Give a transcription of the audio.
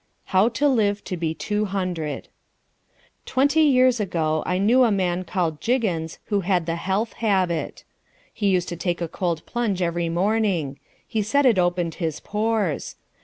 How to Live to be 200 Twenty years ago I knew a man called Jiggins, who had the Health Habit. He used to take a cold plunge every morning. He said it opened his pores.